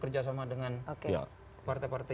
kerjasama dengan partai partai